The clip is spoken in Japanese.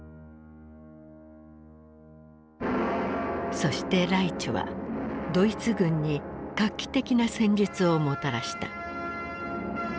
そしてライチュはドイツ軍に画期的な戦術をもたらした。